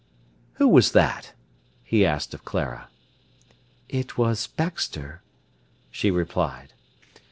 "Who was that?" he asked of Clara. "It was Baxter," she replied.